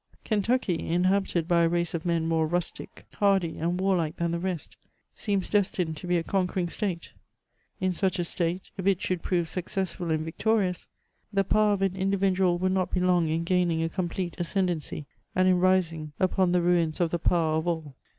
Kentucky, inhabited by a race of men more rustic, hardy, and warlike than the rest, seems destined to be a conquering State. In such a State, if it should prove successful and victorious, the power of an individual would not be long in gaining a complete ascendancy, and in rlung upon the ruins of the powar of all.